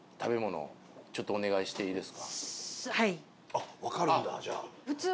あっわかるんだじゃあ。